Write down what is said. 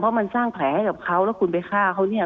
เพราะมันสร้างแผลให้กับเขาแล้วคุณไปฆ่าเขาเนี่ย